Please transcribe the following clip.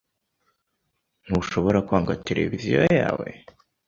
Ntushobora kwanga televiziyo yawe?